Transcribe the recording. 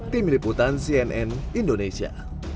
tim reputan cnn indonesia